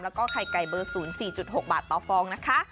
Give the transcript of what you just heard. แล้วก็ไข่ไก่เบอร์๐๔๖บาทต่อฟองนะคะ